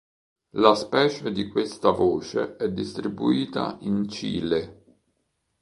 La specie di questa voce è distribuita in Cile.